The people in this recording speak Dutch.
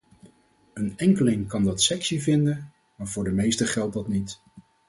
Een enkeling kan dat sexy vinden, maar voor de meesten geldt dat niet!